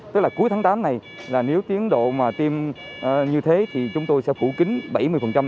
tức là cuối tháng tám này nếu tiến độ tiêm như thế thì chúng tôi sẽ phủ kính bảy mươi dân số từ tuổi một mươi tám trở lên